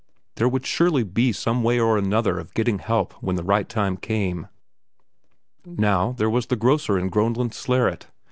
There would surely be some way or another of getting help when the right time came! Now, there was the grocer in Groenlandsleret.